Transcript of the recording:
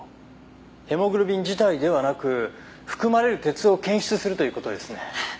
ヘモグロビン自体ではなく含まれる鉄を検出するという事ですね。